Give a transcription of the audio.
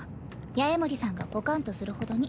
八重森さんがポカンとするほどに。